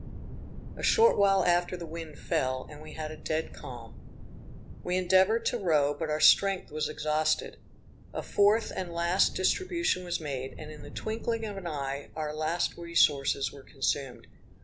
A short while after the wind fell, and we had a dead calm. We endeavored to row, but our strength was exhausted. A fourth and last distribution was made, and in the twinkling of an eye, our last resources were consumed.